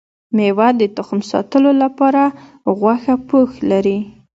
ميوه د تخم ساتلو لپاره غوښه پوښ لري